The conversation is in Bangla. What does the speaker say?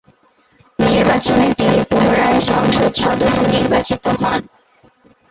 নির্বাচনে তিনি পুনরায় সংসদ সদস্য নির্বাচিত হন।